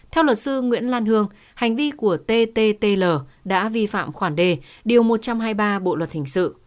theo luật sư nguyễn lan hương hành vi của ttl đã vi phạm khoản đề điều một trăm hai mươi ba bộ luật hình sự